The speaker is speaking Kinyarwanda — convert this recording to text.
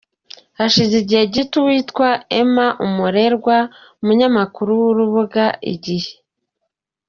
Hashize igihe gito uwitwa Emma Umurerwa, umunyamakuru w’urubuga igihe.